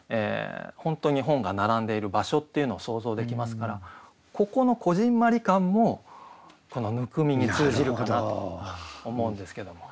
本当に本が並んでいる場所っていうのを想像できますからここのこぢんまり感もこの「温み」に通じるかなと思うんですけども。